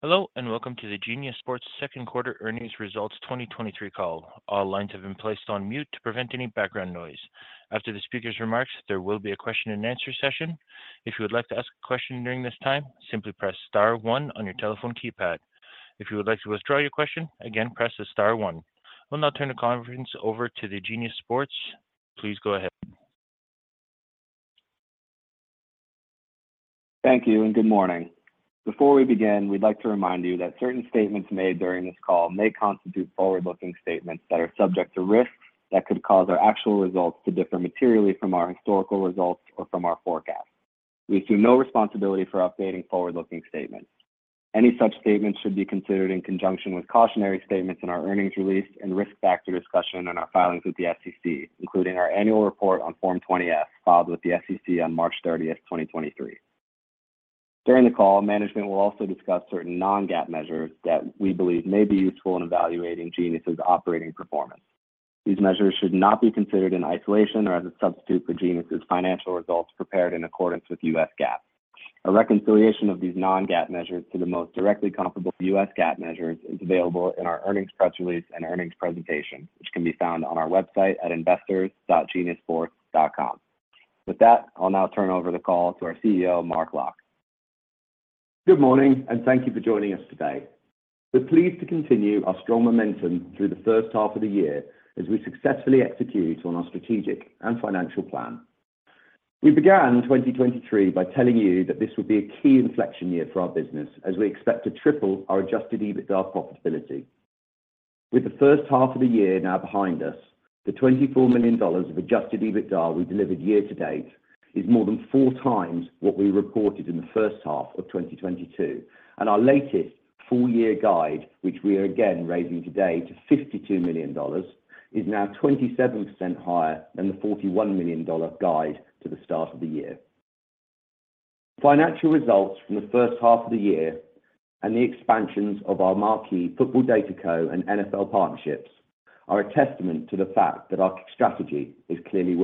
Hello, welcome to the Genius Sports Second Quarter Earnings Results 2023 call. All lines have been placed on mute to prevent any background noise. After the speaker's remarks, there will be a question and answer session. If you would like to ask a question during this time, simply press star one on your telephone keypad. If you would like to withdraw your question, again, press star one. We'll now turn the conference over to Genius Sports. Please go ahead. Thank you. Good morning. Before we begin, we'd like to remind you that certain statements made during this call may constitute forward-looking statements that are subject to risks that could cause our actual results to differ materially from our historical results or from our forecasts. We assume no responsibility for updating forward-looking statements. Any such statements should be considered in conjunction with cautionary statements in our earnings release and risk factor discussion in our filings with the SEC, including our annual report on Form 20-F, filed with the SEC on March 30th, 2023. During the call, management will also discuss certain non-GAAP measures that we believe may be useful in evaluating Genius's operating performance. These measures should not be considered in isolation or as a substitute for Genius's financial results prepared in accordance with U.S. GAAP. A reconciliation of these non-GAAP measures to the most directly comparable U.S. GAAP measures is available in our earnings press release and earnings presentation, which can be found on our website at investors.geniussports.com. With that, I'll now turn over the call to our CEO, Mark Locke. Good morning. Thank you for joining us today. We're pleased to continue our strong momentum through the first half of the year as we successfully execute on our strategic and financial plan. We began 2023 by telling you that this would be a key inflection year for our business, as we expect to triple our Adjusted EBITDA profitability. With the first half of the year now behind us, the $24 million of Adjusted EBITDA we delivered year-to-date is more than four times what we reported in the first half of 2022, and our latest full-year guide, which we are again raising today to $52 million, is now 27% higher than the $41 million guide to the start of the year. Financial results from the first half of the year and the expansions of our marquee Football DataCo and NFL partnerships are a testament to the fact that our strategy is clearly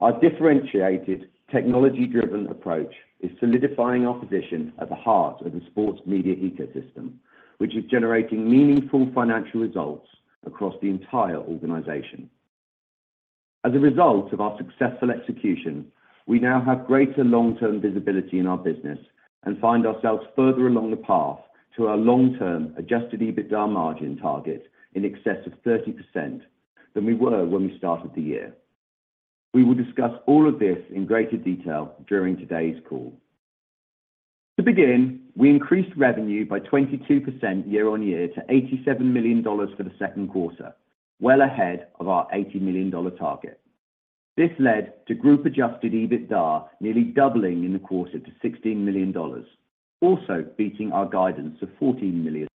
working. Our differentiated technology-driven approach is solidifying our position at the heart of the sports media ecosystem, which is generating meaningful financial results across the entire organization. As a result of our successful execution, we now have greater long-term visibility in our business and find ourselves further along the path to our long-term Adjusted EBITDA Margin target in excess of 30% than we were when we started the year. We will discuss all of this in greater detail during today's call. To begin, we increased revenue by 22% year-on-year to $87 million for the second quarter, well ahead of our $80 million target. This led to group Adjusted EBITDA nearly doubling in the quarter to $16 million, also beating our guidance of $14 million.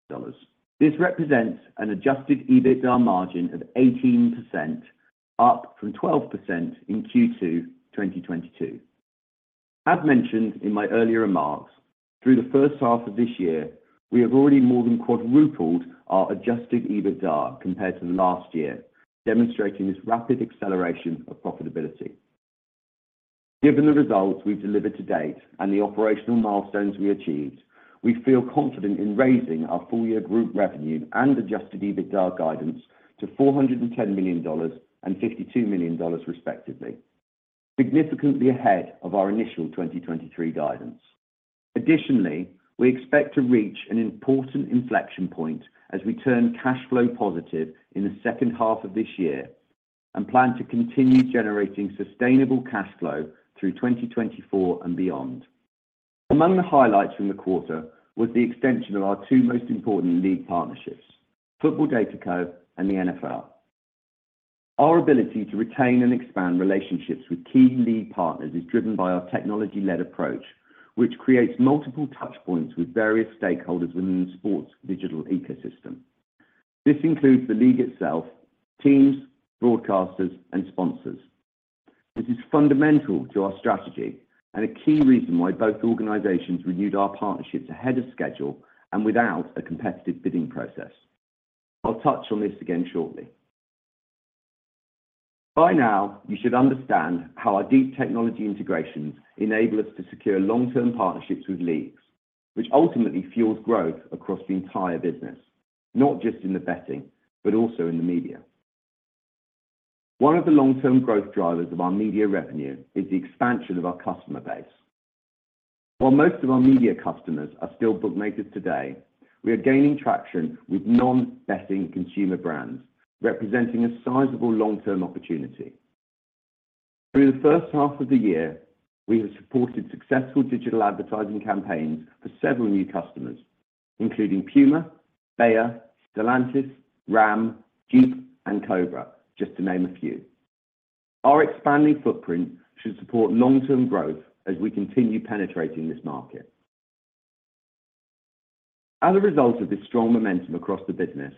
This represents an Adjusted EBITDA Margin of 18%, up from 12% in Q2 2022. As mentioned in my earlier remarks, through the first half of this year, we have already more than quadrupled our Adjusted EBITDA compared to last year, demonstrating this rapid acceleration of profitability. Given the results we've delivered to date and the operational milestones we achieved, we feel confident in raising our full-year group revenue and Adjusted EBITDA guidance to $410 million and $52 million, respectively, significantly ahead of our initial 2023 guidance. Additionally, we expect to reach an important inflection point as we turn cash flow positive in the second half of this year and plan to continue generating sustainable cash flow through 2024 and beyond. Among the highlights from the quarter was the extension of our two most important league partnerships, Football DataCo and the NFL. Our ability to retain and expand relationships with key league partners is driven by our technology-led approach, which creates multiple touchpoints with various stakeholders within the sports digital ecosystem. This includes the league itself, teams, broadcasters, and sponsors. This is fundamental to our strategy and a key reason why both organizations renewed our partnerships ahead of schedule and without a competitive bidding process. I'll touch on this again shortly. By now, you should understand how our deep technology integrations enable us to secure long-term partnerships with leagues, which ultimately fuels growth across the entire business, not just in the betting, but also in the media. One of the long-term growth drivers of our media revenue is the expansion of our customer base. While most of our media customers are still bookmakers today, we are gaining traction with non-betting consumer brands, representing a sizable long-term opportunity. Through the first half of the year, we have supported successful digital advertising campaigns for several new customers, including Puma, Bayer, Stellantis, Ram, Jeep, and Cobra, just to name a few. Our expanding footprint should support long-term growth as we continue penetrating this market. As a result of this strong momentum across the business,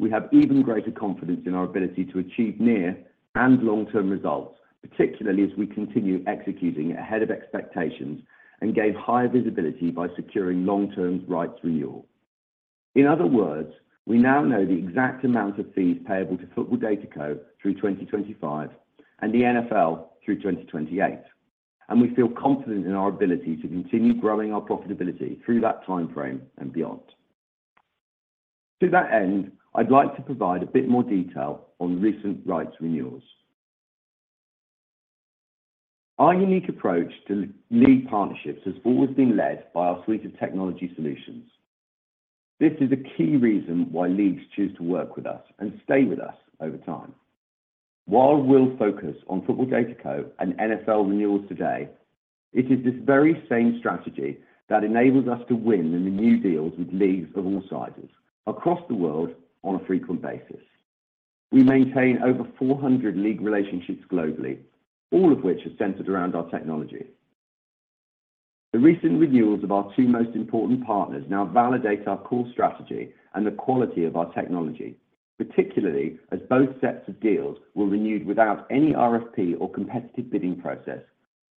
we have even greater confidence in our ability to achieve near and long-term results, particularly as we continue executing ahead of expectations and gain higher visibility by securing long-term rights renewal. In other words, we now know the exact amount of fees payable to Football DataCo through 2025 and the NFL through 2028, and we feel confident in our ability to continue growing our profitability through that time frame and beyond. To that end, I'd like to provide a bit more detail on recent rights renewals. Our unique approach to league partnerships has always been led by our suite of technology solutions. This is a key reason why leagues choose to work with us and stay with us over time. While we'll focus on Football DataCo and NFL renewals today, it is this very same strategy that enables us to win in the new deals with leagues of all sizes across the world on a frequent basis. We maintain over 400 league relationships globally, all of which are centered around our technology. The recent renewals of our two most important partners now validate our core strategy and the quality of our technology, particularly as both sets of deals were renewed without any RFP or competitive bidding process,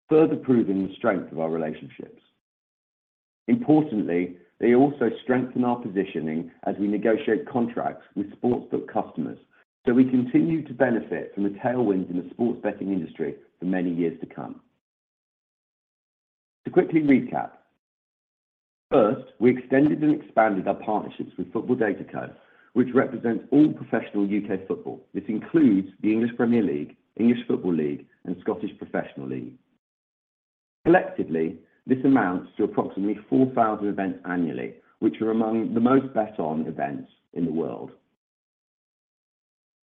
further proving the strength of our relationships. Importantly, they also strengthen our positioning as we negotiate contracts with sportsbook customers, so we continue to benefit from the tailwinds in the sports betting industry for many years to come. To quickly recap, first, we extended and expanded our partnerships with Football DataCo, which represents all professional UK football. This includes the Premier League, English Football League, and Scottish Professional Football League. Collectively, this amounts to approximately 4,000 events annually, which are among the most bet on events in the world.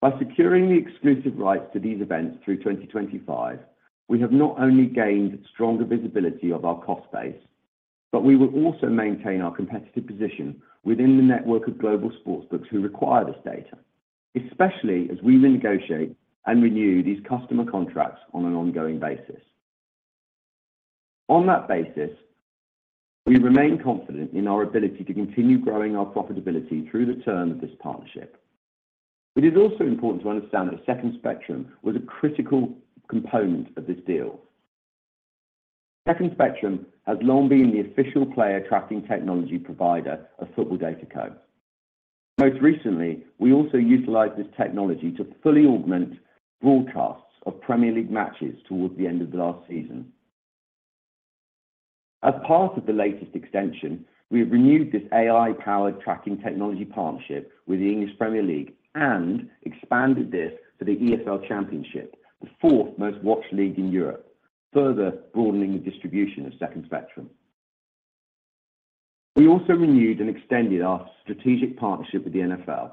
By securing the exclusive rights to these events through 2025, we have not only gained stronger visibility of our cost base, but we will also maintain our competitive position within the network of global sportsbooks who require this data, especially as we renegotiate and renew these customer contracts on an ongoing basis. On that basis, we remain confident in our ability to continue growing our profitability through the term of this partnership. It is also important to understand that Second Spectrum was a critical component of this deal. Second Spectrum has long been the official player tracking technology provider of Football DataCo. Most recently, we also utilized this technology to fully augment broadcasts of Premier League matches towards the end of the last season. As part of the latest extension, we have renewed this AI-powered tracking technology partnership with the English Premier League and expanded this to the EFL Championship, the fourth most watched league in Europe, further broadening the distribution of Second Spectrum. We also renewed and extended our strategic partnership with the NFL.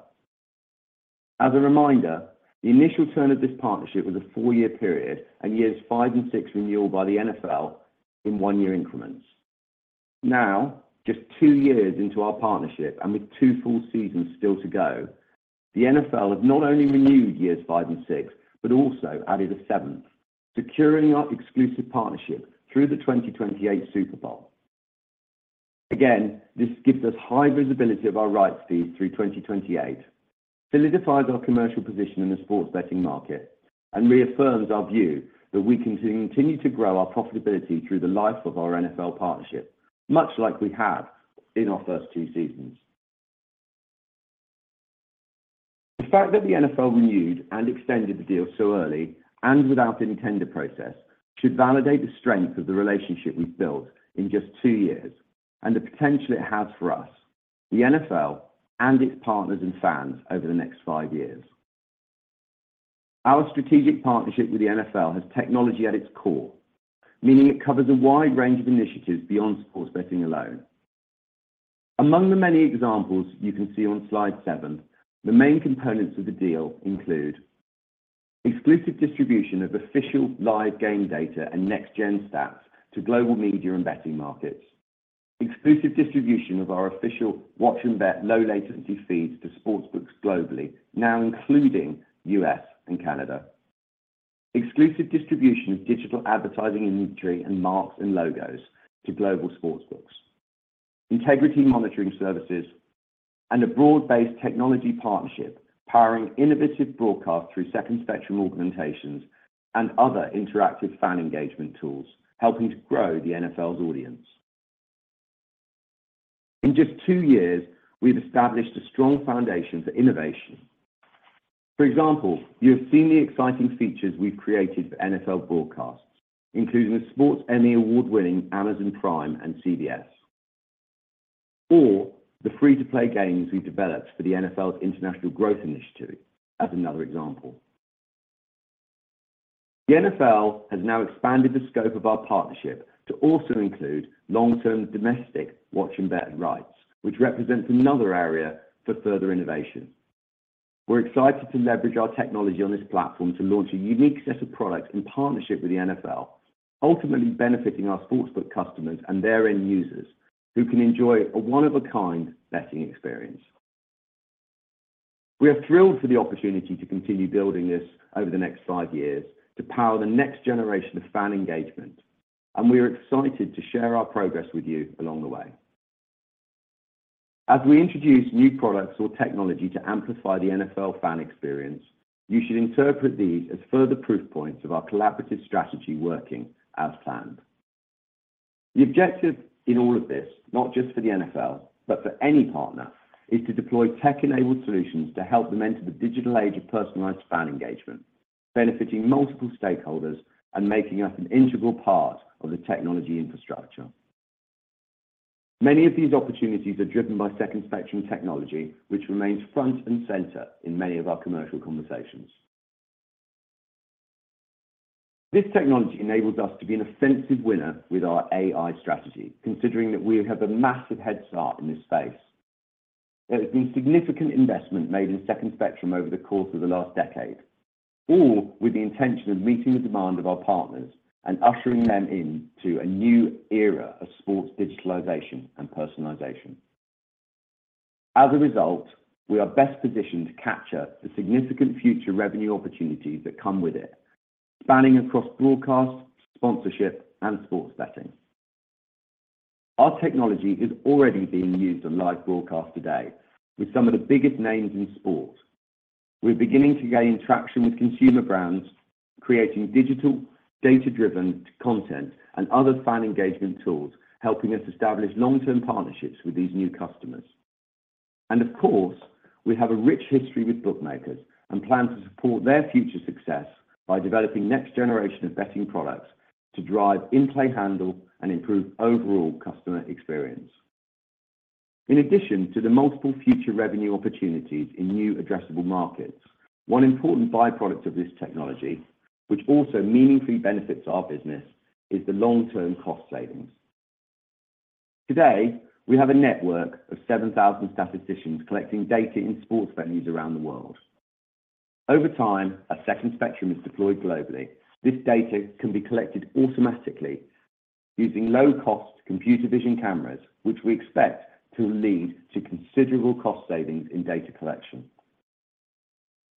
As a reminder, the initial term of this partnership was a four year period, and years five and six renewed by the NFL in one year increments. Now, just two years into our partnership, and with two full seasons still to go, the NFL has not only renewed years five and six, but also added a seventh, securing our exclusive partnership through the 2028 Super Bowl. This gives us high visibility of our rights fees through 2028, solidifies our commercial position in the sports betting market, and reaffirms our view that we can continue to grow our profitability through the life of our NFL partnership, much like we have in our first two seasons. The fact that the NFL renewed and extended the deal so early and without any tender process, should validate the strength of the relationship we've built in just two years and the potential it has for us, the NFL, and its partners and fans over the next five years. Our strategic partnership with the NFL has technology at its core, meaning it covers a wide range of initiatives beyond sports betting alone. Among the many examples you can see on slide seven, the main components of the deal include exclusive distribution of official live game data and Next Gen Stats to global media and betting markets, exclusive distribution of our official Watch and Bet low-latency feeds to sportsbooks globally, now including U.S. and Canada. Exclusive distribution of digital advertising inventory and marks and logos to global sportsbooks, integrity monitoring services, and a broad-based technology partnership powering innovative broadcast through Second Spectrum augmentations and other interactive fan engagement tools, helping to grow the NFL's audience. In just two years, we've established a strong foundation for innovation. For example, you have seen the exciting features we've created for NFL broadcasts, including the Sports Emmy Award-winning Amazon Prime and CBS, or the free-to-play games we developed for the NFL's International Growth Initiative as another example. The NFL has now expanded the scope of our partnership to also include long-term domestic Watch and Bet rights, which represents another area for further innovation. We're excited to leverage our technology on this platform to launch a unique set of products in partnership with the NFL, ultimately benefiting our sportsbook customers and their end users, who can enjoy a one-of-a-kind betting experience. We are thrilled for the opportunity to continue building this over the next five years to power the next generation of fan engagement. We are excited to share our progress with you along the way. As we introduce new products or technology to amplify the NFL fan experience, you should interpret these as further proof points of our collaborative strategy working as planned. The objective in all of this, not just for the NFL, but for any partner, is to deploy tech-enabled solutions to help them enter the digital age of personalized fan engagement, benefiting multiple stakeholders and making us an integral part of the technology infrastructure. Many of these opportunities are driven by Second Spectrum technology, which remains front and center in many of our commercial conversations. This technology enables us to be an offensive winner with our AI strategy, considering that we have a massive head start in this space. There has been significant investment made in Second Spectrum over the course of the last decade, all with the intention of meeting the demand of our partners and ushering them into a new era of sports digitalization and personalization. As a result, we are best positioned to capture the significant future revenue opportunities that come with it, spanning across broadcast, sponsorship, and sports betting. Our technology is already being used on live broadcast today with some of the biggest names in sport. We're beginning to gain traction with consumer brands, creating digital, data-driven content and other fan engagement tools, helping us establish long-term partnerships with these new customers. Of course, we have a rich history with bookmakers and plan to support their future success by developing next generation of betting products to drive in-play handle and improve overall customer experience. In addition to the multiple future revenue opportunities in new addressable markets, one important by-product of this technology, which also meaningfully benefits our business, is the long-term cost savings. Today, we have a network of 7,000 statisticians collecting data in sports venues around the world. Over time, as Second Spectrum is deployed globally, this data can be collected automatically using low-cost computer vision cameras, which we expect to lead to considerable cost savings in data collection.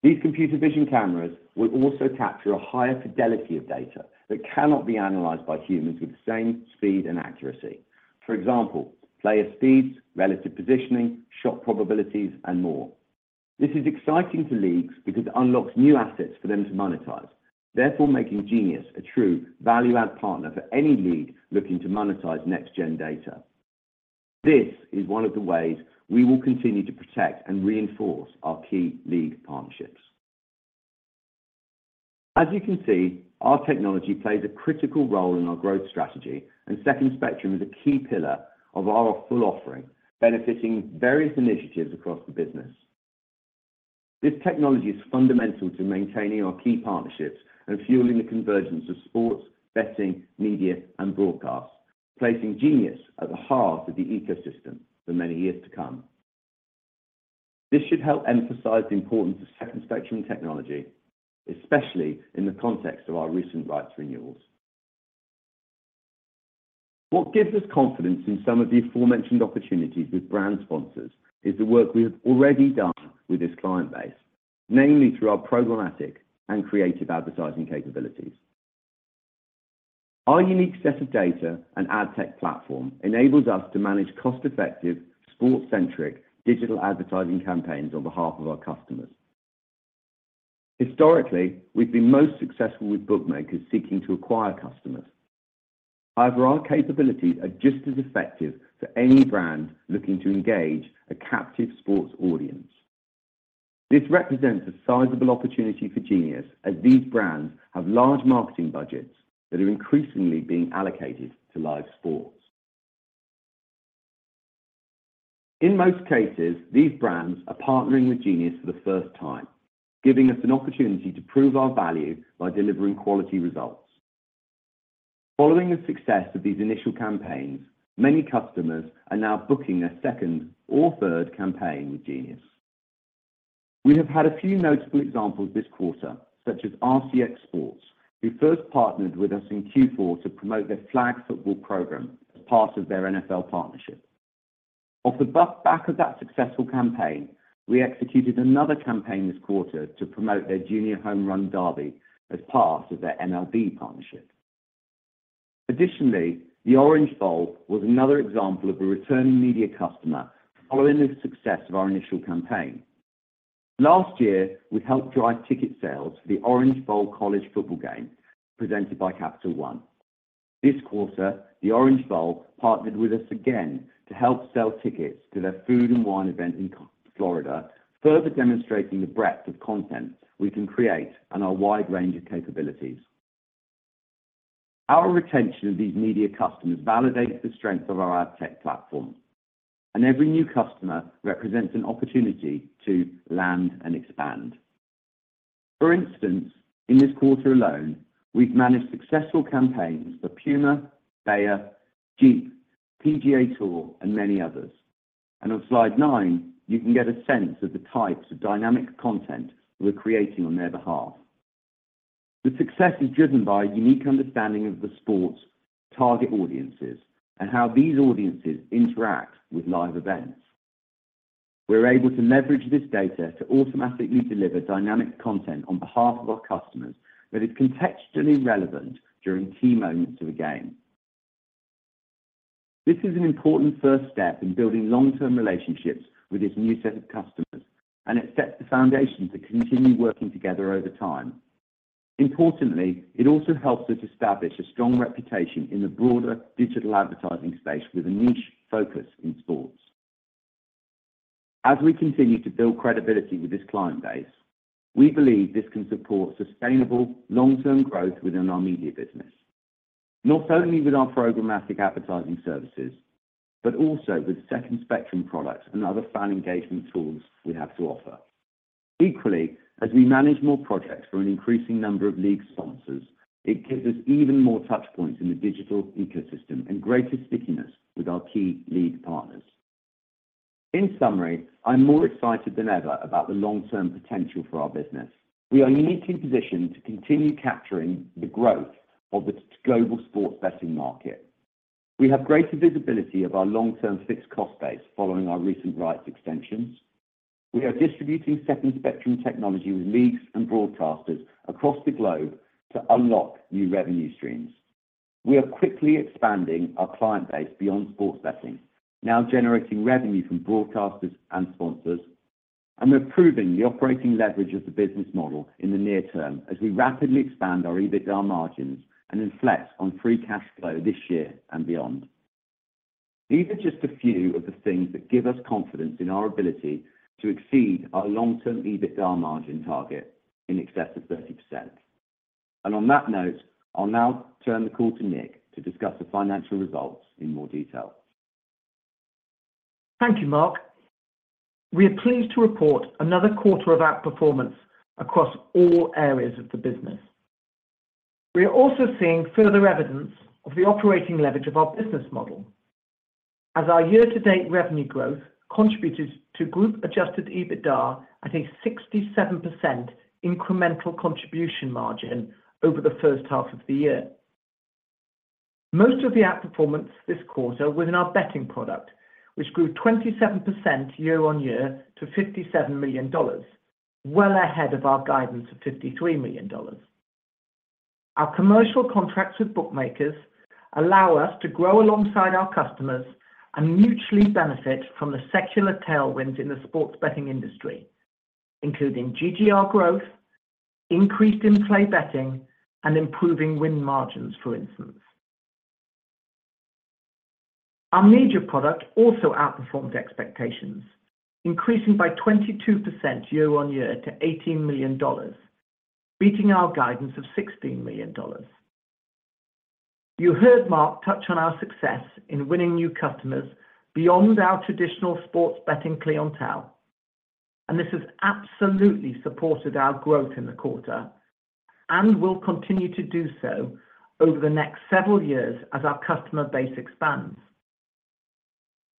These computer vision cameras will also capture a higher fidelity of data that cannot be analyzed by humans with the same speed and accuracy. For example, player speeds, relative positioning, shot probabilities, and more. This is exciting to leagues because it unlocks new assets for them to monetize, therefore, making Genius a true value-add partner for any league looking to monetize next-gen data. This is one of the ways we will continue to protect and reinforce our key league partnerships. As you can see, our technology plays a critical role in our growth strategy. Second Spectrum is a key pillar of our full offering, benefiting various initiatives across the business. This technology is fundamental to maintaining our key partnerships and fueling the convergence of sports, betting, media, and broadcast, placing Genius at the heart of the ecosystem for many years to come. This should help emphasize the importance of Second Spectrum technology, especially in the context of our recent rights renewals. What gives us confidence in some of the aforementioned opportunities with brand sponsors is the work we have already done with this client base, namely through our programmatic and creative advertising capabilities. Our unique set of data and ad tech platform enables us to manage cost-effective, sport-centric digital advertising campaigns on behalf of our customers. Historically, we've been most successful with bookmakers seeking to acquire customers. However, our capabilities are just as effective for any brand looking to engage a captive sports audience. This represents a sizable opportunity for Genius, as these brands have large marketing budgets that are increasingly being allocated to live sports. In most cases, these brands are partnering with Genius for the first time, giving us an opportunity to prove our value by delivering quality results. Following the success of these initial campaigns, many customers are now booking a second or third campaign with Genius. We have had a few notable examples this quarter, such as RCX Sports, who first partnered with us in Q4 to promote their flag football program as part of their NFL partnership. Off the back of that successful campaign, we executed another campaign this quarter to promote their Junior Home Run Derby as part of their MLB partnership. Additionally, the Orange Bowl was another example of a returning media customer following the success of our initial campaign. Last year, we helped drive ticket sales for the Orange Bowl College football game, presented by Capital One. This quarter, the Orange Bowl partnered with us again to help sell tickets to their food and wine event in Florida, further demonstrating the breadth of content we can create and our wide range of capabilities. Our retention of these media customers validates the strength of our ad tech platform, and every new customer represents an opportunity to land and expand. For instance, in this quarter alone, we've managed successful campaigns for Puma, Bayer, Jeep, PGA TOUR, and many others. On slide nine, you can get a sense of the types of dynamic content we're creating on their behalf. The success is driven by a unique understanding of the sports, target audiences, and how these audiences interact with live events. We're able to leverage this data to automatically deliver dynamic content on behalf of our customers that is contextually relevant during key moments of a game. This is an important first step in building long-term relationships with this new set of customers, and it sets the foundation to continue working together over time. Importantly, it also helps us establish a strong reputation in the broader digital advertising space with a niche focus in sports. As we continue to build credibility with this client base, we believe this can support sustainable long-term growth within our media business. Not only with our programmatic advertising services, but also with Second Spectrum products and other fan engagement tools we have to offer. Equally, as we manage more projects for an increasing number of league sponsors, it gives us even more touch points in the digital ecosystem and greater stickiness with our key league partners. In summary, I'm more excited than ever about the long-term potential for our business. We are uniquely positioned to continue capturing the growth of the global sports betting market. We have greater visibility of our long-term fixed cost base following our recent rights extensions. We are distributing Second Spectrum technology with leagues and broadcasters across the globe to unlock new revenue streams. We are quickly expanding our client base beyond sports betting, now generating revenue from broadcasters and sponsors, and we're proving the operating leverage of the business model in the near term as we rapidly expand our EBITDA margins and inflect on free cash flow this year and beyond. These are just a few of the things that give us confidence in our ability to exceed our long-term EBITDA margin target in excess of 30%. On that note, I'll now turn the call to Nick to discuss the financial results in more detail. Thank you, Mark. We are pleased to report another quarter of outperformance across all areas of the business. We are also seeing further evidence of the operating leverage of our business model, as our year-to-date revenue growth contributed to group Adjusted EBITDA at a 67% incremental contribution margin over the first half of the year. Most of the outperformance this quarter within our betting product, which grew 27% year-on-year to $57 million, well ahead of our guidance of $53 million. Our commercial contracts with bookmakers allow us to grow alongside our customers and mutually benefit from the secular tailwinds in the sports betting industry, including GGR growth, increased in-play betting, and improving win margins, for instance. Our media product also outperformed expectations, increasing by 22% year-on-year to $18 million, beating our guidance of $16 million. You heard Mark touch on our success in winning new customers beyond our traditional sports betting clientele, and this has absolutely supported our growth in the quarter and will continue to do so over the next several years as our customer base expands.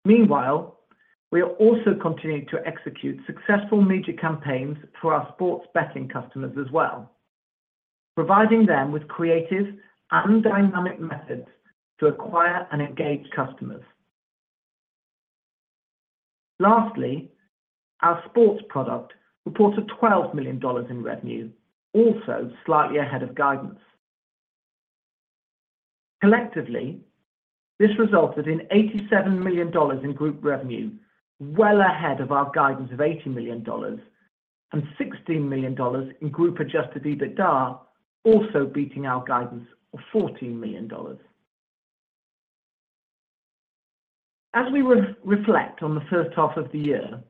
Meanwhile, we are also continuing to execute successful media campaigns for our sports betting customers as well, providing them with creative and dynamic methods to acquire and engage customers. Lastly, our sports product reported $12 million in revenue, also slightly ahead of guidance. Collectively, this resulted in $87 million in group revenue, well ahead of our guidance of $80 million, and $16 million in group Adjusted EBITDA, also beating our guidance of $14 million. As we re-reflect on the first half of the year,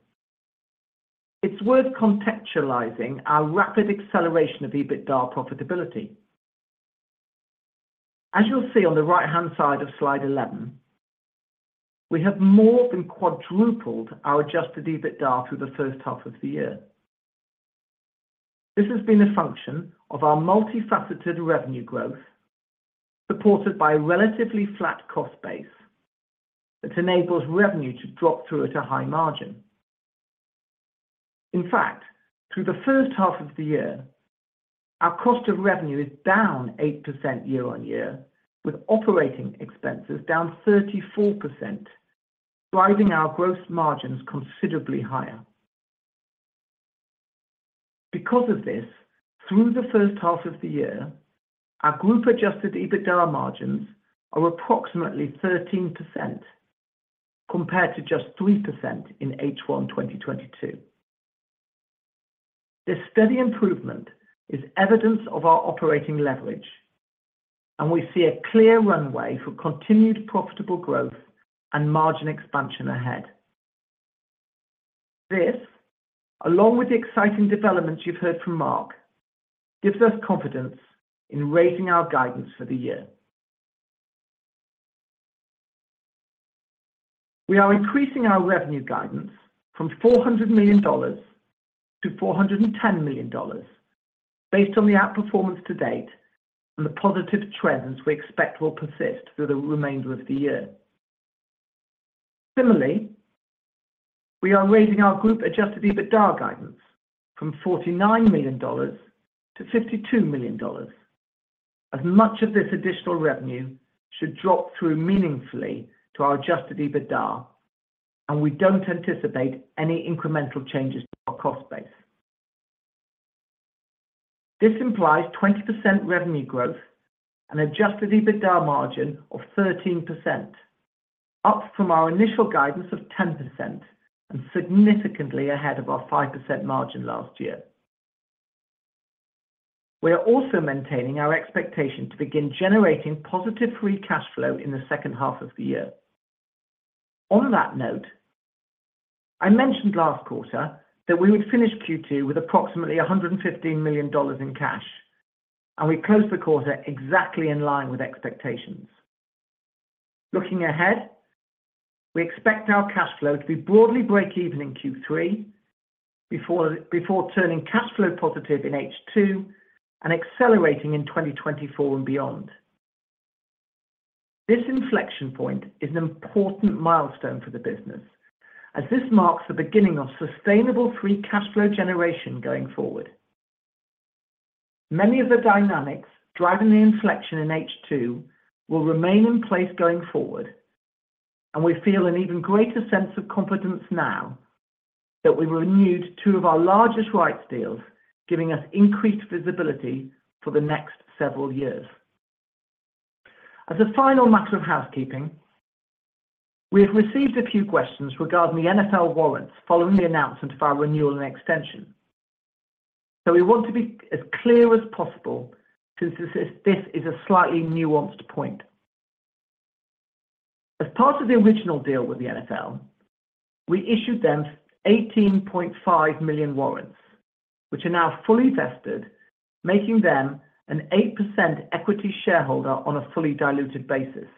it's worth contextualizing our rapid acceleration of EBITDA profitability. As you'll see on the right-hand side of slide 11, we have more than quadrupled our Adjusted EBITDA through the first half of the year. This has been a function of our multifaceted revenue growth, supported by a relatively flat cost base that enables revenue to drop through at a high margin. In fact, through the first half of the year, our cost of revenue is down 8% year-over-year, with operating expenses down 34%, driving our gross margins considerably higher. Because of this, through the first half of the year, our group-Adjusted EBITDA Margins are approximately 13%, compared to just 3% in H1 2022. This steady improvement is evidence of our operating leverage, and we see a clear runway for continued profitable growth and margin expansion ahead. This, along with the exciting developments you've heard from Mark, gives us confidence in raising our guidance for the year. We are increasing our revenue guidance from $400 million-$410 million based on the outperformance to date and the positive trends we expect will persist through the remainder of the year. Similarly, we are raising our group-Adjusted EBITDA guidance from $49 million-$52 million, as much of this additional revenue should drop through meaningfully to our Adjusted EBITDA, and we don't anticipate any incremental changes to our cost base. This implies 20% revenue growth and Adjusted EBITDA Margin of 13%, up from our initial guidance of 10% and significantly ahead of our 5% margin last year. We are also maintaining our expectation to begin generating positive free cash flow in the second half of the year. On that note, I mentioned last quarter that we would finish Q2 with approximately $115 million in cash, and we closed the quarter exactly in line with expectations. Looking ahead, we expect our cash flow to be broadly break even in Q3, before, before turning cash flow positive in H2 and accelerating in 2024 and beyond. This inflection point is an important milestone for the business, as this marks the beginning of sustainable free cash flow generation going forward. Many of the dynamics driving the inflection in H2 will remain in place going forward, and we feel an even greater sense of confidence now that we've renewed two of our largest rights deals, giving us increased visibility for the next several years. As a final matter of housekeeping, we have received a few questions regarding the NFL warrants following the announcement of our renewal and extension. We want to be as clear as possible since this is a slightly nuanced point. As part of the original deal with the NFL, we issued them 18.5 million warrants, which are now fully vested, making them an 8% equity shareholder on a fully diluted basis.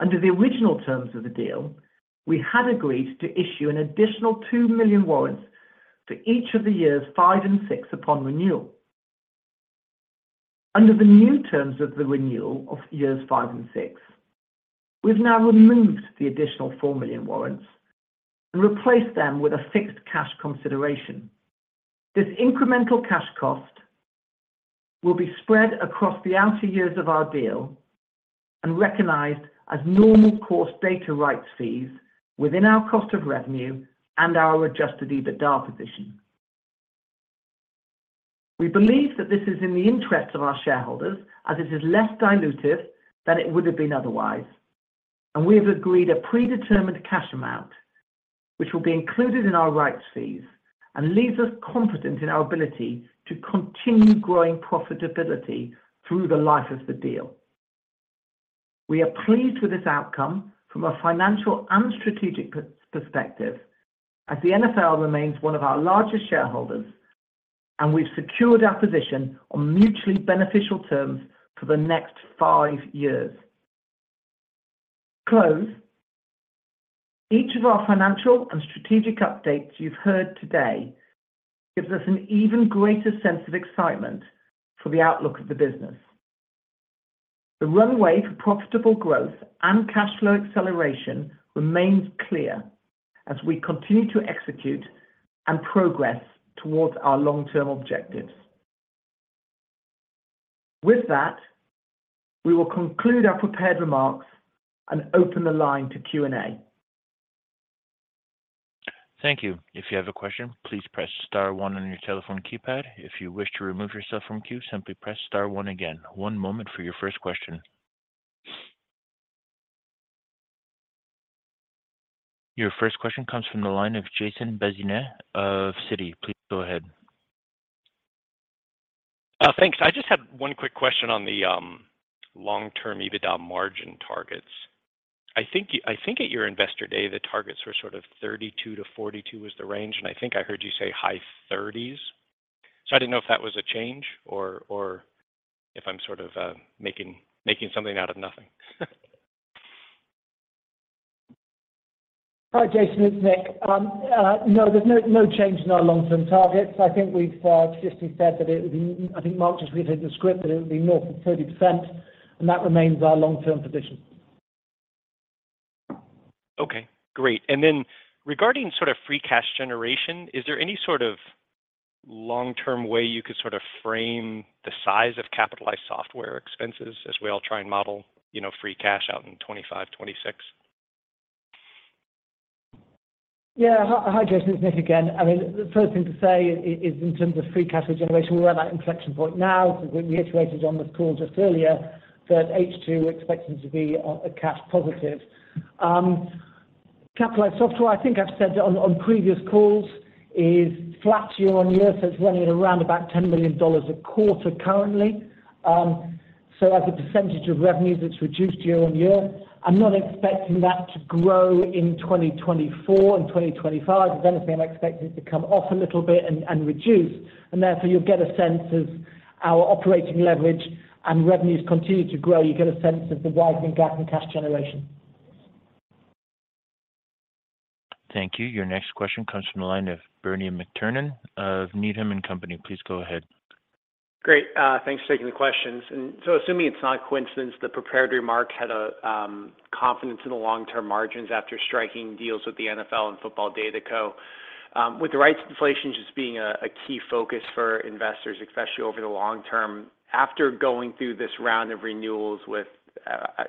Under the original terms of the deal, we had agreed to issue an additional 2 million warrants for each of the years five and six upon renewal. Under the new terms of the renewal of years five and six, we've now removed the additional 4 million warrants and replaced them with a fixed cash consideration. This incremental cash cost will be spread across the outer years of our deal and recognized as normal course data rights fees within our cost of revenue and our Adjusted EBITDA position. We believe that this is in the interest of our shareholders, as it is less dilutive than it would have been otherwise, and we have agreed a predetermined cash amount, which will be included in our rights fees and leaves us confident in our ability to continue growing profitability through the life of the deal. We are pleased with this outcome from a financial and strategic perspective, as the NFL remains one of our largest shareholders, and we've secured our position on mutually beneficial terms for the next five years. Each of our financial and strategic updates you've heard today gives us an even greater sense of excitement for the outlook of the business. The runway for profitable growth and cash flow acceleration remains clear as we continue to execute and progress towards our long-term objectives. With that, we will conclude our prepared remarks and open the line to Q&A. Thank you. If you have a question, please press star one on your telephone keypad. If you wish to remove yourself from queue, simply press star one again. One moment for your first question. Your first question comes from the line of Jason Bazinet of Citi. Please go ahead. Thanks. I just had one quick question on the long-term EBITDA margin targets. I think at your Investor Day, the targets were 32%-42% was the range, and I think I heard you say high 30s. I didn't know if that was a change or, or if I'm making, making something out of nothing. Hi, Jason, it's Nick. No, there's no, no change in our long-term targets. I think we've just said that it would be... I think Mark just read the script, that it would be north of 30%, and that remains our long-term position. Okay, great. Then regarding sort of free cash generation, is there any sort of long-term way you could sort of frame the size of capitalized software expenses as we all try and model, you know, free cash out in 2025, 2026? Yeah. Hi, Jason, it's Nick again. I mean, the first thing to say is in terms of free cash flow generation, we're at that inflection point now. As we reiterated on this call just earlier, that H2, we're expecting to be a cash positive. Capitalized software, I think I've said it on, on previous calls, is flat year-on-year, so it's running at around about $10 million a quarter currently. So as a percentage of revenues, it's reduced year-on-year. I'm not expecting that to grow in 2024 and 2025. If anything, I'm expecting it to come off a little bit and reduce. Therefore, you'll get a sense of our operating leverage and revenues continue to grow. You get a sense of the widening gap in cash generation. Thank you. Your next question comes from the line of Bernie McTernan of Needham & Company. Please go ahead. Great, thanks for taking the questions. Assuming it's not a coincidence, the prepared remark had a confidence in the long-term margins after striking deals with the NFL and Football DataCo. With the rights inflation just being a key focus for investors, especially over the long term, after going through this round of renewals with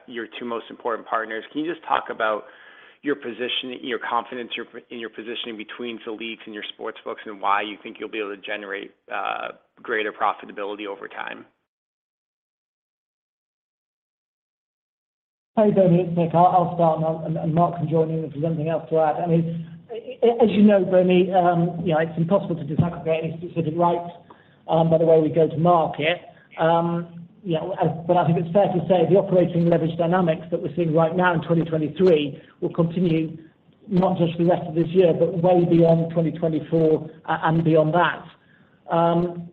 your two most important partners, can you just talk about your position, your confidence in your positioning between the leagues and your sportsbooks, and why you think you'll be able to generate greater profitability over time? Hi, Bernie. It's Nick. I'll start, and Mark can join in if there's anything else to add. I mean, as you know, Bernie, you know, it's impossible to disaggregate any specific rights by the way we go to market. You know, I think it's fair to say the operating leverage dynamics that we're seeing right now in 2023 will continue, not just the rest of this year, but way beyond 2024 and beyond that.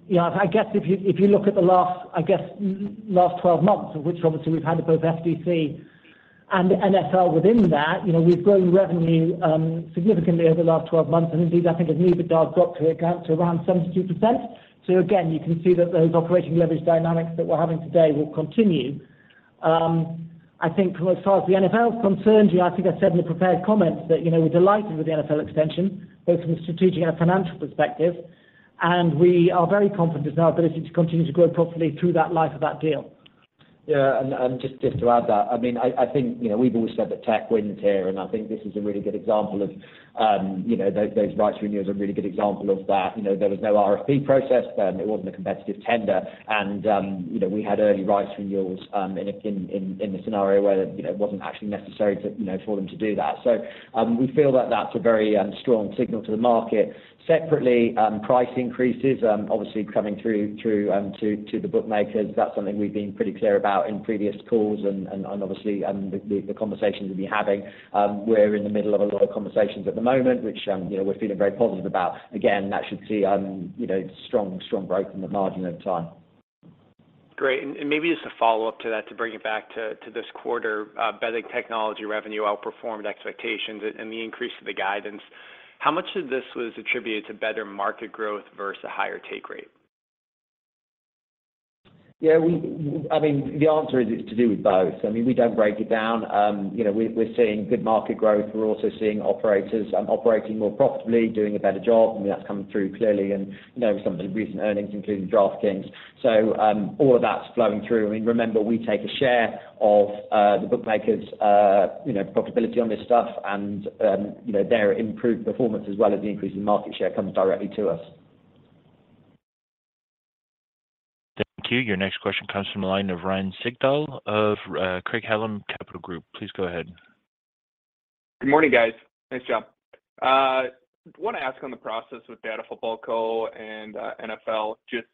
You know, I guess if you, if you look at the last, I guess, last 12 months, of which obviously we've had both FDC and NFL within that, you know, we've grown revenue significantly over the last 12 months. Indeed, I think EBITDA got to account to around 72%. Again, you can see that those operating leverage dynamics that we're having today will continue. I think from as far as the NFL is concerned, you know, I think I said in the prepared comments that, you know, we're delighted with the NFL extension, both from a strategic and a financial perspective, and we are very confident in our ability to continue to grow properly through that life of that deal. Just, just to add to that, I mean, I, I think, you know, we've always said that tech wins here, and I think this is a really good example of, you know, those, those rights renewals are a really good example of that. You know, there was no RFP process, and it wasn't a competitive tender, and, you know, we had early rights renewals, in a, in, in, in a scenario where, you know, it wasn't actually necessary to, you know, for them to do that. We feel that that's a very strong signal to the market. Separately, price increases, obviously coming through, through, to, to the bookmakers. That's something we've been pretty clear about in previous calls and, and, and obviously, and the, the conversations we'll be having. We're in the middle of a lot of conversations at the moment, which, you know, we're feeling very positive about. Again, that should see, you know, strong, strong growth in the margin over time. Great. Maybe just a follow-up to that, to bring it back to this quarter, betting technology revenue outperformed expectations and the increase of the guidance. How much of this was attributed to better market growth versus a higher take rate? Yeah, we, I mean, the answer is, is to do with both. I mean, we don't break it down. You know, we're seeing good market growth. We're also seeing operators operating more profitably, doing a better job. I mean, that's coming through clearly and, you know, some of the recent earnings, including DraftKings. All of that's flowing through. I mean, remember, we take a share of the bookmakers profitability on this stuff, and, you know, their improved performance, as well as the increase in market share, comes directly to us. Thank you. Your next question comes from the line of Ryan Sigdahl of Craig-Hallum Capital Group. Please go ahead. Good morning, guys. Nice job. Want to ask on the process with Football DataCo and NFL, just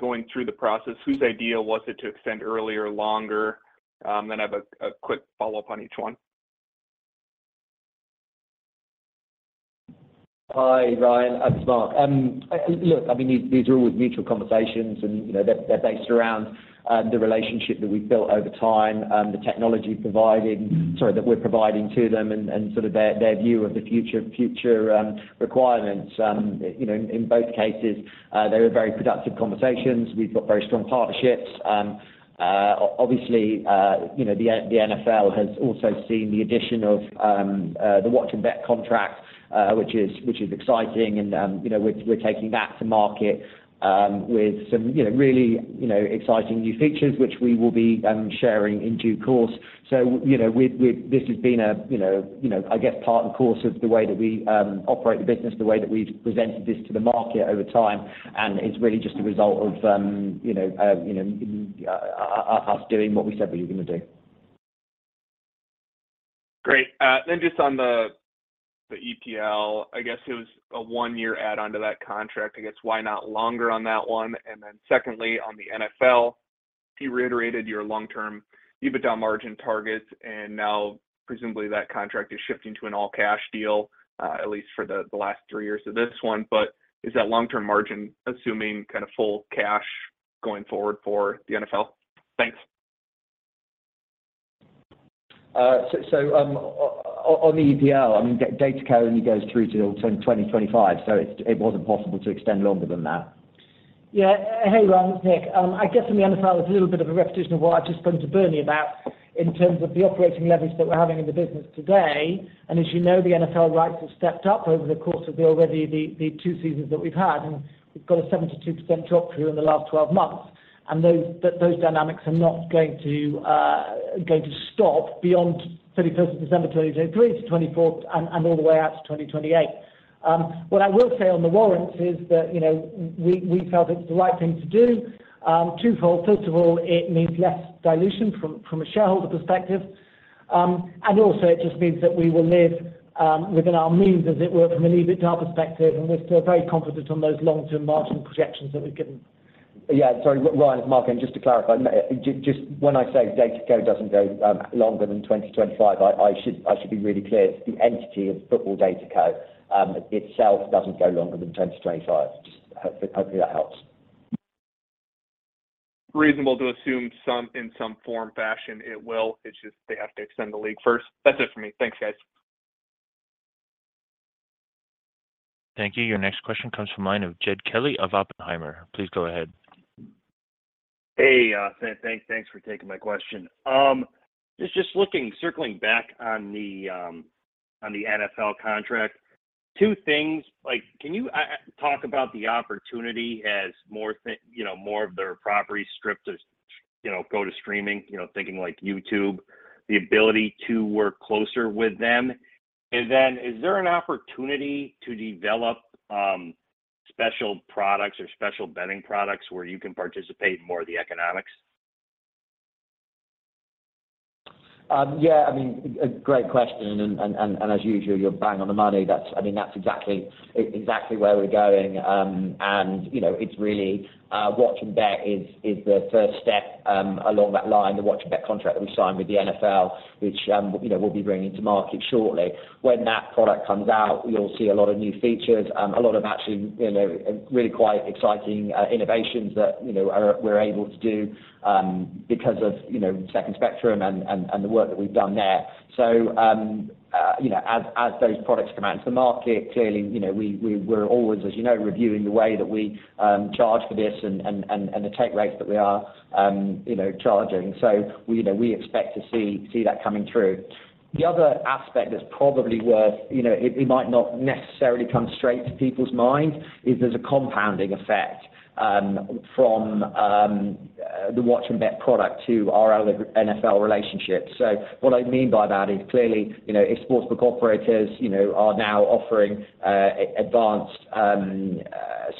going through the process, whose idea was it to extend earlier, longer? I have a quick follow-up on each one. Hi, Ryan. It's Mark. Look, I mean, these, these are all mutual conversations, and, you know, they, they surround the relationship that we've built over time, the technology providing... Sorry, that we're providing to them and, and sort of their, their view of the future, future, requirements. You know, in both cases, they were very productive conversations. We've got very strong partnerships. Obviously, you know, the N- the NFL has also seen the addition of the Watch and Bet contract, which is, which is exciting, and, you know, we're, we're taking that to market with some, you know, really, you know, exciting new features, which we will be sharing in due course. You know, this has been a, you know, you know, I guess, part and course of the way that we operate the business, the way that we've presented this to the market over time, and it's really just a result of, you know, you know, us doing what we said we were gonna do. Great. Just on the EPL, I guess it was a one-year add-on to that contract. I guess, why not longer on that one? Secondly, on the NFL, you reiterated your long-term EBITDA margin targets, and now presumably, that contract is shifting to an all-cash deal, at least for the last three years of this one. Is that long-term margin assuming kind of full cash going forward for the NFL? Thanks. On the EPL, I mean, DataCo only goes through to 2025, so it, it wasn't possible to extend longer than that. Yeah. Hey, Ryan, it's Nick. I guess on the NFL, it's a little bit of a repetition of what I've just spoken to Bernie about in terms of the operating leverage that we're having in the business today. As you know, the NFL rights have stepped up over the course of the already the, the two seasons that we've had, and we've got a 72% drop through in the last 12 months. Those, those dynamics are not going to going to stop beyond 31st of December 2023 to 2024 and all the way out to 2028. What I will say on the warrants is that, you know, we, we felt it's the right thing to do. Twofold. First of all, it means less dilution from, from a shareholder perspective, and also it just means that we will live within our means, as it were, from an EBITDA perspective, and we're still very confident on those long-term margin projections that we've given. Yeah, sorry, Ryan, it's Mark. Just to clarify, just when I say DataCo doesn't go longer than 2025, I, I should, I should be really clear, it's the entity of Football DataCo itself doesn't go longer than 2025. Just hopefully that helps. Reasonable to assume some, in some form, fashion, it will. It's just they have to extend the league first. That's it for me. Thanks, guys. Thank you. Your next question comes from line of Jed Kelly of Oppenheimer. Please go ahead. Hey, thanks, thanks for taking my question. Just, just looking, circling back on the NFL contract. Two things, like, can you talk about the opportunity as more thing, you know, more of their property strip to, you know, go to streaming, you know, thinking like YouTube, the ability to work closer with them? Is there an opportunity to develop special products or special betting products where you can participate in more of the economics? Yeah, I mean, a great question and, as usual, you're bang on the money. I mean, that's exactly, exactly where we're going. You know, it's really, Watch and Bet is the first step along that line, the Watch and Bet contract that we signed with the NFL, which, you know, we'll be bringing to market shortly. When that product comes out, you'll see a lot of new features, a lot of actually, you know, really quite exciting innovations that, you know, we're able to do because of, you know, Second Spectrum and the work that we've done there. You know, as, as those products come out to the market, clearly, you know, we, we, we're always, as you know, reviewing the way that we charge for this and, and, and, and the take rates that we are, you know, charging. We, you know, we expect to see, see that coming through. The other aspect that's probably worth, you know, it, it might not necessarily come straight to people's mind, is there's a compounding effect from the Watch and Bet product to our other NFL relationships. What I mean by that is clearly, you know, if sportsbook operators, you know, are now offering advanced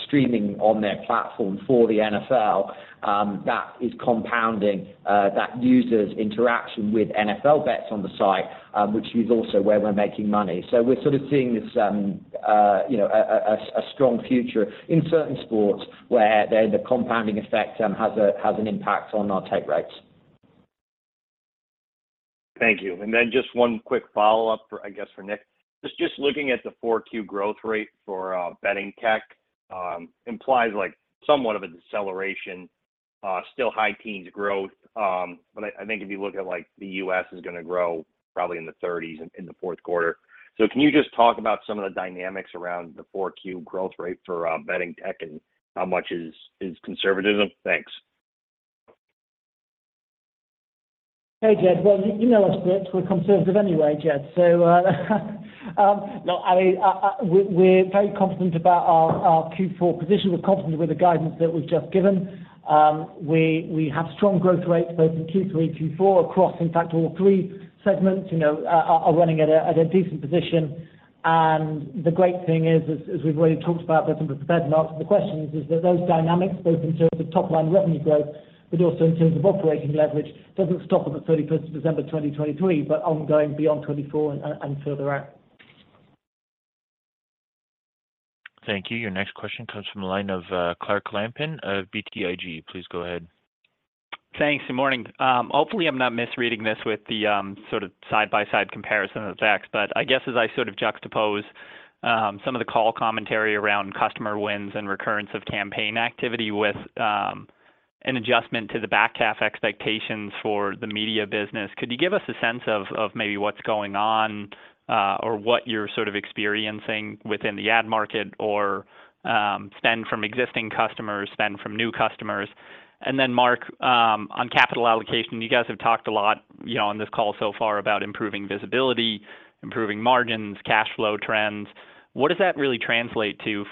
streaming on their platform for the NFL, that is compounding that user's interaction with NFL bets on the site, which is also where we're making money. We're sort of seeing this, you know, a strong future in certain sports where the compounding effect has an impact on our take rates. Thank you. Just one quick follow-up for, I guess, for Nick. Just, just looking at the 4Q growth rate for betting tech implies like somewhat of a deceleration, still high teens growth. I, I think if you look at like the US is gonna grow probably in the 30s, in the 4th quarter. Can you just talk about some of the dynamics around the 4Q growth rate for betting tech and how much is, is conservatism? Thanks. Hey, Jed. Well, you know us bets, we're conservative anyway, Jed. No, I, we're very confident about our Q4 position. We're confident with the guidance that we've just given. We have strong growth rates both in Q3, Q4 across, in fact, all three segments, you know, are running at a decent position. The great thing is, as we've already talked about, but prepared to answer the questions, is that those dynamics, both in terms of top-line revenue growth, but also in terms of operating leverage, doesn't stop on the 31st of December 2023, but ongoing beyond 2024 and further out. Thank you. Your next question comes from the line of, Clark Lampen of BTIG. Please go ahead. Thanks. Good morning. Hopefully, I'm not misreading this with the sort of side-by-side comparison of the facts, but I guess as I sort of juxtapose some of the call commentary around customer wins and recurrence of campaign activity with an adjustment to the back half expectations for the media business, could you give us a sense of what's going on or what you're sort of experiencing within the ad market or spend from existing customers, spend from new customers? Mark, on capital allocation, you guys have talked a lot on this call so far about improving visibility, improving margins, cash flow trends. What does that really translate to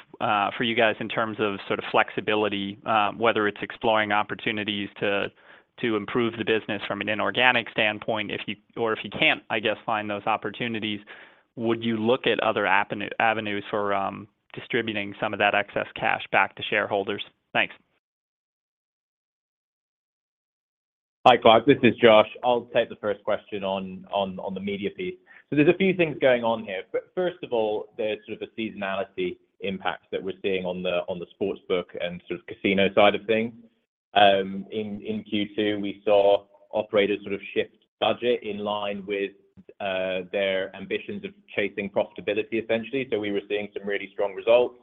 for you guys in terms of sort of flexibility, whether it's exploring opportunities to improve the business from an inorganic standpoint, if you... If you can't, I guess, find those opportunities, would you look at other avenue, avenues for, distributing some of that excess cash back to shareholders? Thanks. Hi, Clark, this is Josh. I'll take the first question on, on, on the media piece. There's a few things going on here. First of all, there's sort of a seasonality impact that we're seeing on the, on the sportsbook and sort of casino side of things. In Q2, we saw operators sort of shift budget in line with their ambitions of chasing profitability, essentially. We were seeing some really strong results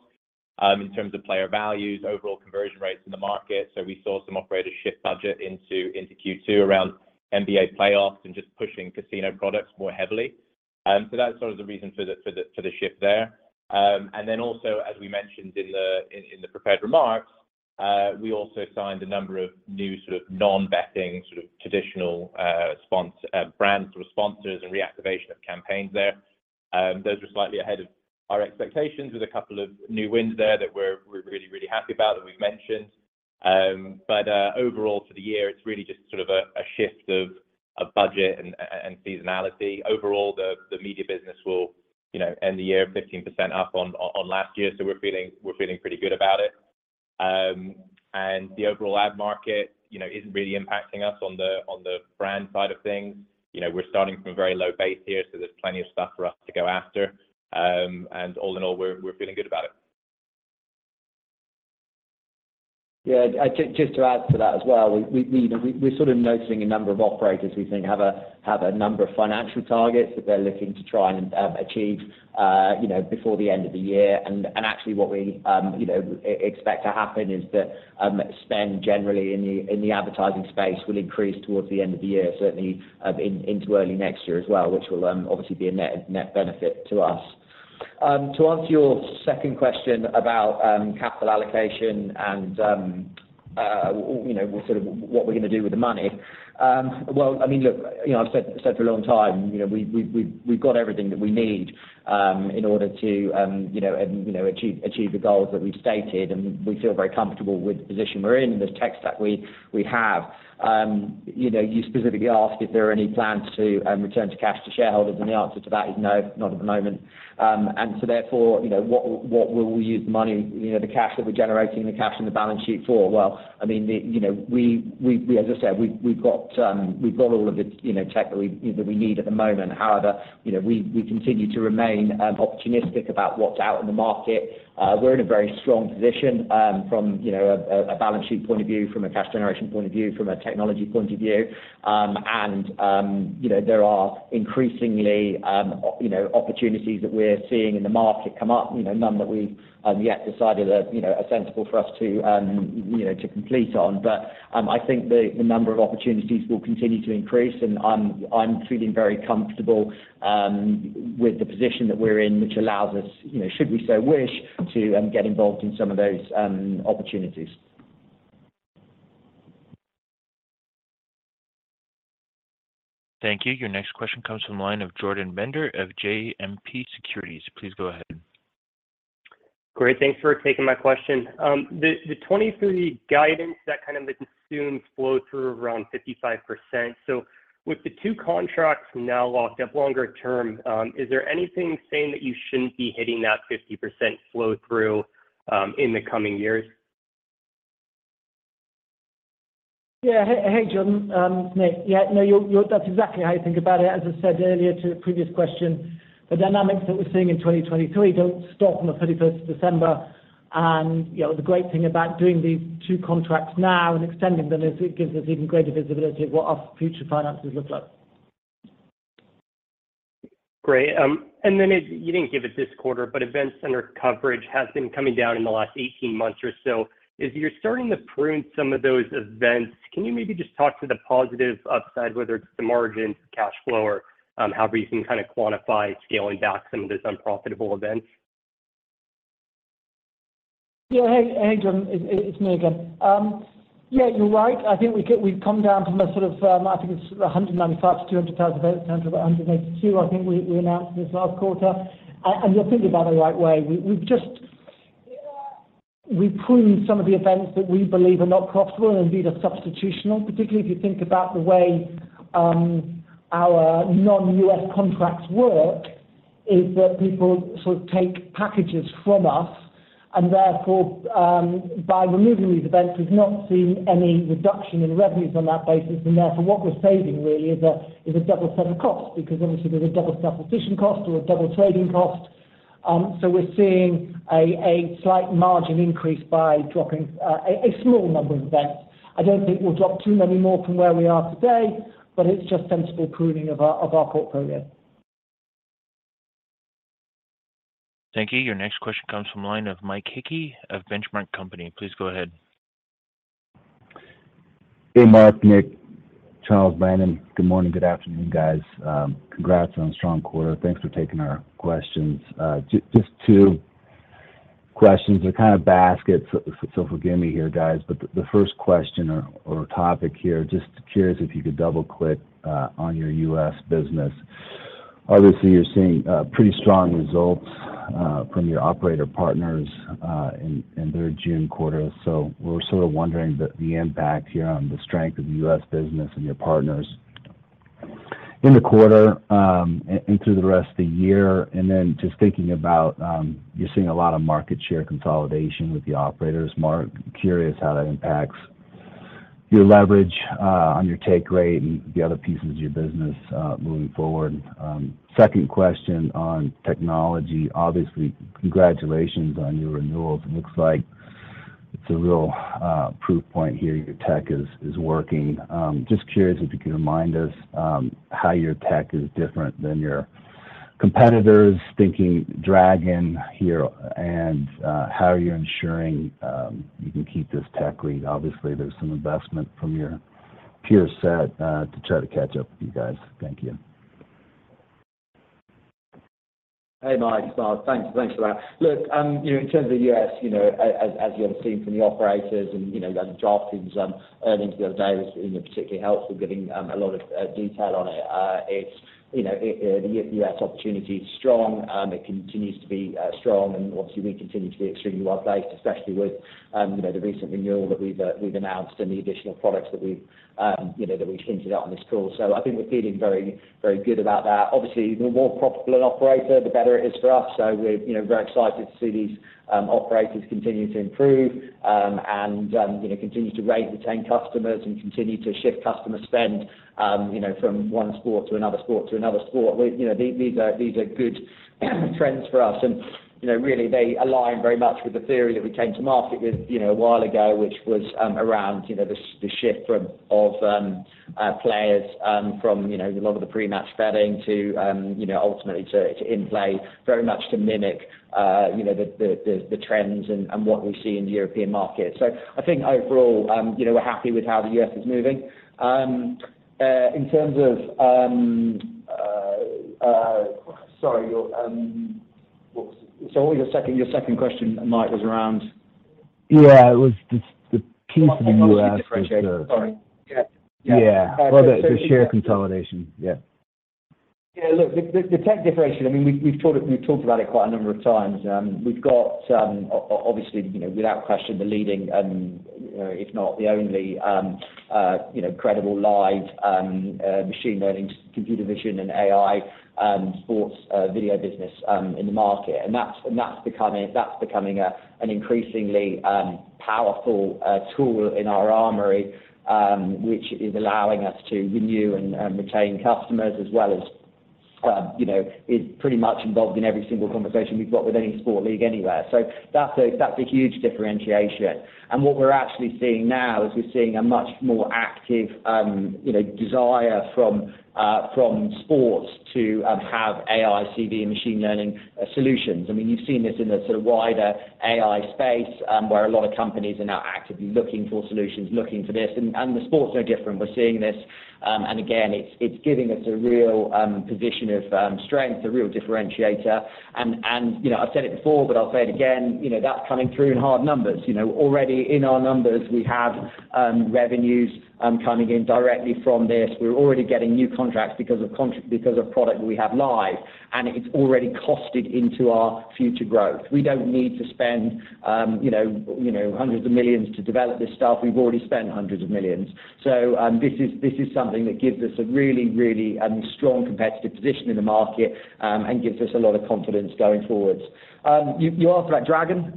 in terms of player values, overall conversion rates in the market. We saw some operators shift budget into Q2 around NBA playoffs and just pushing casino products more heavily. That's sort of the reason for the, for the, for the shift there. Also, as we mentioned in the prepared remarks, we also signed a number of new sort of non-betting, sort of traditional sponsor brands for sponsors and reactivation of campaigns there. Those were slightly ahead of our expectations with a couple of new wins there that we're really, really happy about, that we've mentioned. Overall, for the year, it's really just sort of a shift of budget and seasonality. Overall, the media business will, you know, end the year 15% up on last year, so we're feeling, we're feeling pretty good about it. The overall ad market, you know, isn't really impacting us on the brand side of things. You know, we're starting from a very low base here, so there's plenty of stuff for us to go after. All in all, we're, we're feeling good about it. Yeah, just, just to add to that as well, we, we, you know, we're sort of noticing a number of operators we think have a, have a number of financial targets that they're looking to try and achieve, you know, before the end of the year. Actually what we, you know, expect to happen is that spend generally in the, in the advertising space will increase towards the end of the year, certainly, in, into early next year as well, which will obviously be a net, net benefit to us. To answer your second question about capital allocation, you know, sort of what we're going to do with the money. Well, I mean, look, you know, I've said, said for a long time, you know, we, we, we've, we've got everything that we need, in order to, you know, you know, achieve, achieve the goals that we've stated, and we feel very comfortable with the position we're in, the tech stack we, we have. You know, you specifically asked if there are any plans to return to cash to shareholders, and the answer to that is no, not at the moment. Therefore, you know, what, what will we use the money, you know, the cash that we're generating, the cash on the balance sheet for? Well, I mean, you know, we, we, as I said, we've, we've got, we've got all of the, you know, tech that we, that we need at the moment. However, you know, we, we continue to remain optimistic about what's out in the market. We're in a very strong position, from, you know, a balance sheet point of view, from a cash generation point of view, from a technology point of view. You know, there are increasingly, you know, opportunities that we're seeing in the market come up, you know, none that we've yet decided are, you know, are sensible for us to, you know, to complete on. I think the number of opportunities will continue to increase, and I'm feeling very comfortable with the position that we're in, which allows us, you know, should we so wish, to get involved in some of those opportunities. Thank you. Your next question comes from the line of Jordan Bender of JMP Securities. Please go ahead. Great. Thanks for taking my question. The 2023 guidance, that kind of assumes flow through around 55%. With the two contracts now locked up longer term, is there anything saying that you shouldn't be hitting that 50% flow through, in the coming years? Yeah. Hey, hey, Jordan. Nick. Yeah, no, you're that's exactly how you think about it. As I said earlier to the previous question, the dynamics that we're seeing in 2023 don't stop on the 31st of December. You know, the great thing about doing these two contracts now and extending them is it gives us even greater visibility of what our future finances look like. Great. Then you didn't give it this quarter, but event center coverage has been coming down in the last 18 months or so. As you're starting to prune some of those events, can you maybe just talk to the positive upside, whether it's the margin, cash flow, or however you can kind of quantify scaling back some of those unprofitable events? Hey, Jordan, it's me again. You're right. I think we've come down from a sort of, I think it's 195,000-200,000 events down to about 182,000, I think we announced this last quarter. You're thinking about it the right way. We pruned some of the events that we believe are not profitable and indeed are substitutional. Particularly, if you think about the way our non-U.S. contracts work, is that people sort of take packages from us, therefore, by removing these events, we've not seen any reduction in revenues on that basis. Therefore, what we're saving really is a double set of costs, because obviously there's a double substitution cost or a double trading cost. We're seeing a slight margin increase by dropping a small number of events. I don't think we'll drop too many more from where we are today, but it's just sensible pruning of our portfolio. Thank you. Your next question comes from line of Mike Hickey of The Benchmark Company. Please go ahead. Hey, Mark, Nick, Charles, Brandon. Good morning, good afternoon, guys. Congrats on a strong quarter. Thanks for taking our questions. Just, just two questions. They're kind of basket, so forgive me here, guys, but the, the first question or, or topic here, just curious if you could double-click on your U.S. business. Obviously, you're seeing pretty strong results from your operator partners in, in their June quarter. We're sort of wondering the, the impact here on the strength of the U.S. business and your partners in the quarter, and through the rest of the year. Then just thinking about, you're seeing a lot of market share consolidation with the operators. Mark, curious how that impacts your leverage on your take rate and the other pieces of your business moving forward. Second question on technology. Obviously, congratulations on your renewals. It looks like it's a real proof point here, your tech is, is working. Just curious if you could remind us how your tech is different than your competitors, thinking Dragon here, and how you're ensuring you can keep this tech lead. Obviously, there's some investment from your peer set, to try to catch up with you guys. Thank you. Hey, Mike. Thanks, thanks for that. Look, you know, in terms of U.S., you know, as, as you have seen from the operators and, you know, DraftKings' earnings the other day was, you know, particularly helpful giving a lot of detail on it. It's, you know, the U.S. opportunity is strong, it continues to be strong, and obviously, we continue to be extremely well-placed, especially with, you know, the recent renewal that we've announced and the additional products that we've, you know, that we've hinted at on this call. I think we're feeling very, very good about that. Obviously, the more profitable an operator, the better it is for us. We're, you know, very excited to see these operators continue to improve, and, you know, continue to raise, retain customers and continue to shift customer spend, you know, from one sport to another sport to another sport. You know, these are, these are good trends for us, and, you know, really, they align very much with the theory that we came to market with, you know, a while ago, which was, around, you know, the shift from, of, players, from, you know, a lot of the pre-match betting to, you know, ultimately to, to in-play very much to mimic, you know, the, the, the trends and, and what we see in the European market. I think overall, you know, we're happy with how the U.S. is moving. In terms of- Sorry, your, what, so your second, your second question, Mike, was around? Yeah, it was the piece that you asked was. Sorry. Yeah. Yeah. Well, the share consolidation. Yeah. Yeah, look, the, the, the tech differentiation, I mean, we've, we've talked, we've talked about it quite a number of times. We've got obviously, you know, without question, the leading, if not the only, you know, credible live machine learning, computer vision, and AI sports video business in the market. That's becoming an increasingly powerful tool in our armory, which is allowing us to renew and retain customers as well as, you know, is pretty much involved in every single conversation we've got with any sport league anywhere. That's a huge differentiation. What we're actually seeing now is we're seeing a much more active, you know, desire from sports to have AI, CV, and machine learning solutions. I mean, you've seen this in the sort of wider AI space, where a lot of companies are now actively looking for solutions, looking for this. The sports are different. We're seeing this, again, it's giving us a real position of strength, a real differentiator. You know, I've said it before, but I'll say it again, you know, that's coming through in hard numbers. You know, already in our numbers, we have revenues coming in directly from this. We're already getting new contracts because of product we have live. It's already costed into our future growth. We don't need to spend, you know, you know, hundreds of millions to develop this stuff. We've already spent hundreds of millions. This is, this is something that gives us a really, really strong competitive position in the market, and gives us a lot of confidence going forwards. You, you asked about Dragon.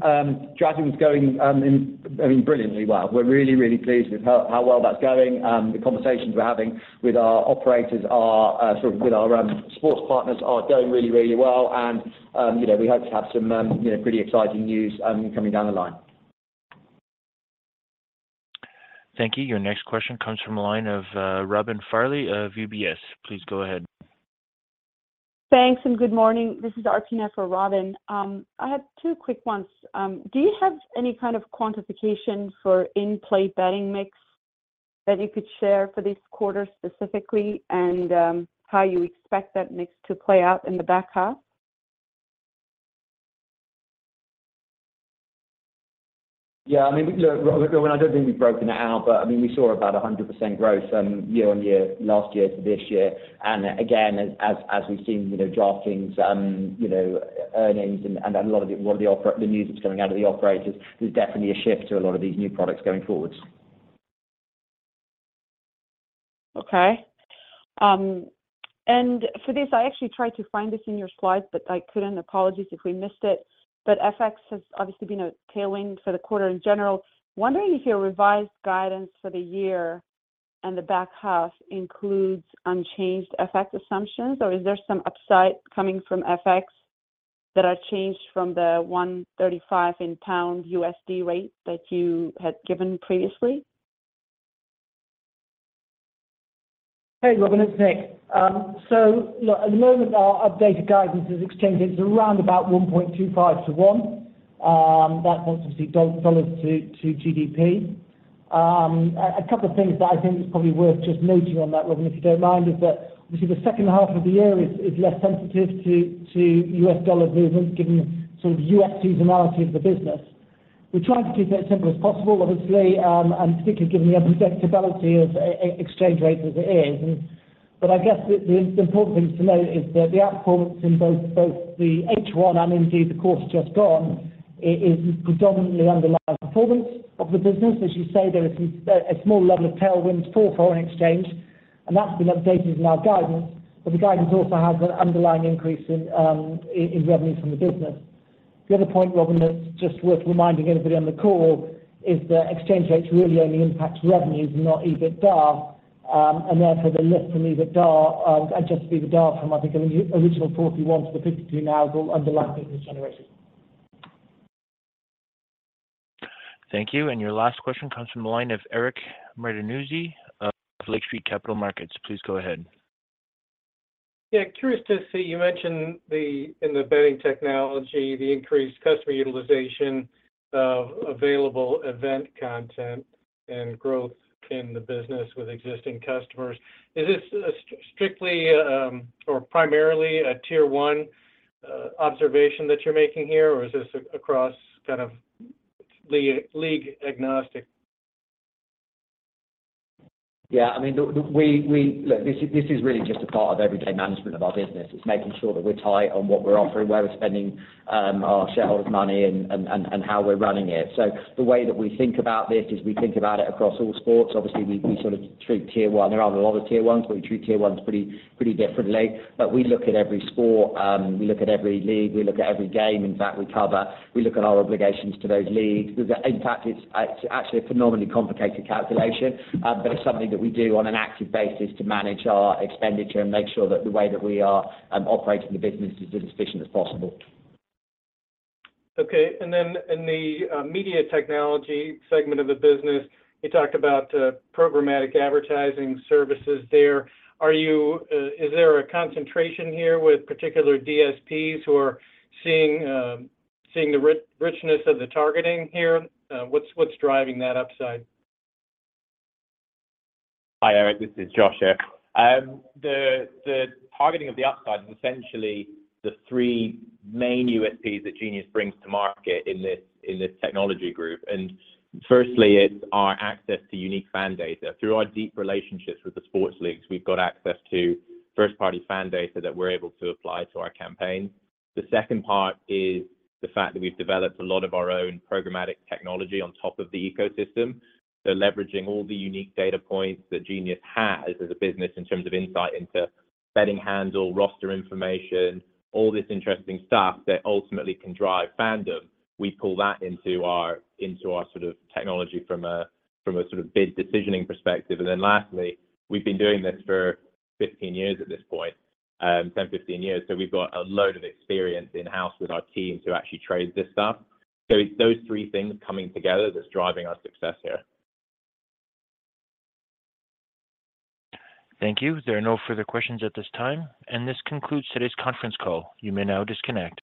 Dragon is going, I mean, brilliantly well. We're really, really pleased with how, how well that's going. The conversations we're having with our operators are sort of with our sports partners are going really, really well, and, you know, we hope to have some, you know, pretty exciting news coming down the line. Thank you. Your next question comes from the line of Robin Farley of UBS. Please go ahead. Thanks. Good morning. This is RTN for Robyn. I had two quick ones. Do you have any kind of quantification for in-play betting mix that you could share for this quarter specifically, and how you expect that mix to play out in the back half? Yeah, I mean, look, Robin Farley, I don't think we've broken it out, but I mean, we saw about 100% growth, year-on-year, last year to this year. Again, as, as, as we've seen, you know, DraftKings, you know, earnings and, and a lot of the, a lot of the news that's coming out of the operators, there's definitely a shift to a lot of these new products going forward. Okay. For this, I actually tried to find this in your slides, I couldn't. Apologies if we missed it, FX has obviously been a tailwind for the quarter in general. Wondering if your revised guidance for the year and the back half includes unchanged FX assumptions, is there some upside coming from FX that are changed from the 1.35 in pound USD rate that you had given previously? Hey, Robin, it's Nick. Look, at the moment, our updated guidance is exchanged. It's around about 1.25 to 1. That's obviously don't dollars to, to GBP. A, a couple of things that I think is probably worth just noting on that, Robin, if you don't mind, is that obviously the second half of the year is, is less sensitive to, to U.S. dollar movements, given the sort of U.S. seasonality of the business. We're trying to keep that as simple as possible, obviously, and particularly given the unpredictability of exchange rates as it is. I guess the, the important thing to note is that the outperformance in both, both the H1 and indeed, the course just gone, is predominantly underlying performance of the business. As you say, there is some, a small level of tailwinds for foreign exchange, and that's been updated in our guidance. The guidance also has an underlying increase in, in revenues from the business. The other point, Robyn, that's just worth reminding everybody on the call is that exchange rates really only impact revenues, not EBITDA, and therefore, the lift from EBITDA, Adjusted EBITDA from, I think, an original $41 to the $52 now is all underlying business generation. Thank you. Your last question comes from the line of Eric Martinuzzi of Lake Street Capital Markets. Please go ahead. Yeah, curious to see, you mentioned the, in the betting technology, the increased customer utilization of available event content and growth in the business with existing customers. Is this strictly or primarily a tier one observation that you're making here, or is this across kind of league agnostic? Yeah, I mean, look, we. Look, this is really just a part of everyday management of our business. It's making sure that we're tight on what we're offering, where we're spending, our shareholders' money and how we're running it. The way that we think about this is we think about it across all sports. Obviously, we sort of treat tier one. There are a lot of tier ones, but we treat tier ones pretty differently. We look at every sport, we look at every league, we look at every game. In fact, we cover, we look at our obligations to those leagues. In fact, it's actually a phenomenally complicated calculation, but it's something that we do on an active basis to manage our expenditure and make sure that the way that we are operating the business is as efficient as possible. Okay. Then in the media technology segment of the business, you talked about programmatic advertising services there. Are you? Is there a concentration here with particular DSPs who are seeing the richness of the targeting here? What's, what's driving that upside? Hi, Eric, this is Josh here. The targeting of the upside is essentially the three main USPs that Genius brings to market in this technology group. Firstly, it's our access to unique fan data. Through our deep relationships with the sports leagues, we've got access to first-party fan data that we're able to apply to our campaigns. The second part is the fact that we've developed a lot of our own programmatic technology on top of the ecosystem. Leveraging all the unique data points that Genius has as a business in terms of insight into betting handle, roster information, all this interesting stuff that ultimately can drive fandom. We pull that into our sort of technology from a sort of bid decisioning perspective. Lastly, we've been doing this for 15 years at this point, 10, 15 years, so we've got a load of experience in-house with our team to actually trade this stuff. It's those three things coming together that's driving our success here. Thank you. There are no further questions at this time. This concludes today's conference call. You may now disconnect.